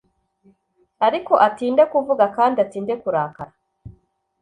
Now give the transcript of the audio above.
ariko atinde kuvuga kandi atinde kurakara.